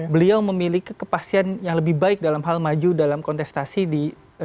beliau memiliki kepastian yang lebih baik dalam hal maju dalam kontestasi di dua ribu dua puluh